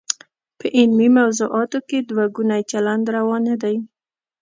په علمي موضوعاتو کې دوه ګونی چلند روا نه دی.